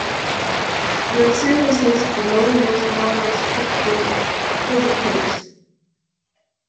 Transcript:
The sentences below use non-restrictive appositives.